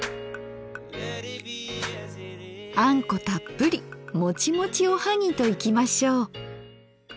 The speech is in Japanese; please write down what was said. あんこたっぷりもちもちおはぎといきましょう。